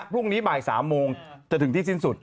พรุ่งนี้บ่าย๓โมงจะถึงที่สิ้นสุด